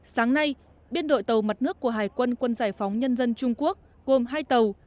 sáng nay biên đội tàu mặt nước của hải quân quân giải phóng nhân dân trung quốc gồm hai tàu